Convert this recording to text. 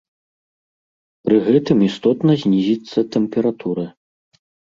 Пры гэтым істотна знізіцца тэмпература.